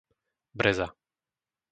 Breza